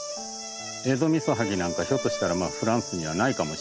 エゾミソハギなんかはひょっとしたらフランスにはないかもしれません。